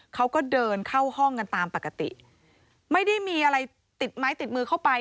เขาก็เดินเข้าห้องกันตามปกติไม่ได้มีอะไรติดไม้ติดมือเข้าไป